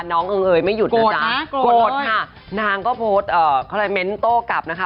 เอิงเอยไม่หยุดนะจ๊ะโกรธค่ะนางก็โพสต์เอ่อเขาเลยเม้นโต้กลับนะคะ